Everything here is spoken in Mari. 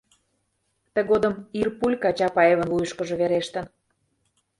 Тыгодым ир пулька Чапаевын вуйышкыжо верештын.